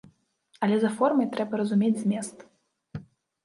Але за формай трэба разумець змест.